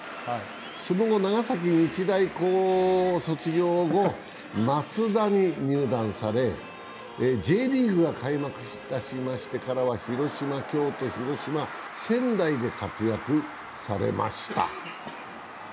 その後、長崎日大高を卒業後、マツダに入団されＪリーグが開幕してからは広島、京都、広島、仙台で活躍されました。